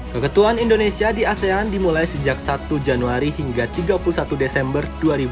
keketuan indonesia di asean dimulai sejak satu januari hingga tiga puluh satu desember dua ribu dua puluh